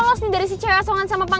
nyanyinya dari dekat dengan kamu ya